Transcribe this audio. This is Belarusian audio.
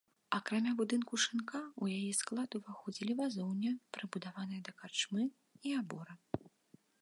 Акрамя будынку шынка, у яе склад уваходзілі вазоўня, прыбудаваная да карчмы і абора.